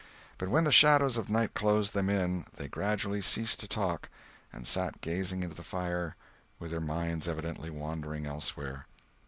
But when the shadows of night closed them in, they gradually ceased to talk, and sat gazing into the fire, with their minds evidently wandering elsewhere.